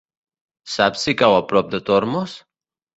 Saps si cau a prop de Tormos?